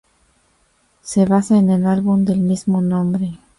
Se basa en el álbum del mismo nombre.